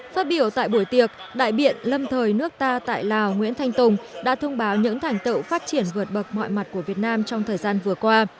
phát biểu tại buổi tiệc đại biện lâm thời nước ta tại lào nguyễn thanh tùng đã thông báo những thành tựu phát triển vượt bậc mọi mặt của việt nam trong thời gian vừa qua